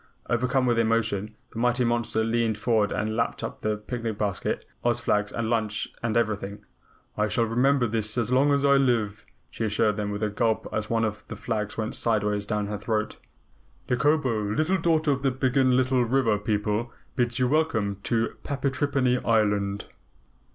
Overcome with emotion, the mighty monster leaned forward and lapped up the picnic basket, Oz flags, lunch and everything. "I shall remember this as long as I live," she assured them with a gulp as one of the flags went sideways down her throat. "Nikobo, Little Daughter of the Biggenlittle River People, bids you welcome to Patrippany Island."